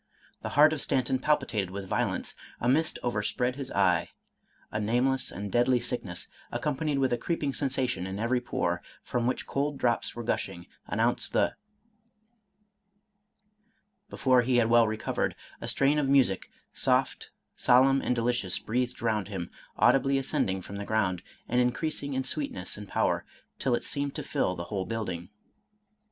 The heart of Stanton palpitated with violence, — sl mist overspread his eye, — 3, nameless and deadly sickness, accompanied with a creeping sensation in every pore, from which cold drops were gashing, announced the .... Before he had well recovered, a strain of music, soft, sol emn, and delicious, breathed round him, audibly ascend ing from the ground, and increasing in sweetness and power till it seemed to fill the whole building.